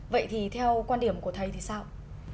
vậy thì theo quan điểm của thầy thì sao